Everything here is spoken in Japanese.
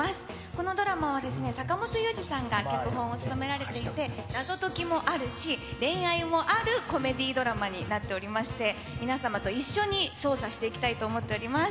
このドラマは、坂元裕二さんが脚本を務められていて、謎解きもあるし、恋愛もあるコメディードラマになっておりまして、皆様と一緒に捜査していきたいと思っております。